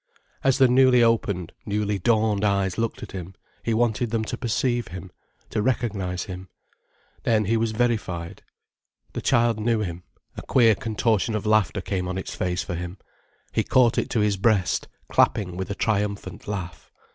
As the newly opened, newly dawned eyes looked at him, he wanted them to perceive him, to recognize him. Then he was verified. The child knew him, a queer contortion of laughter came on its face for him. He caught it to his breast, clapping with a triumphant laugh.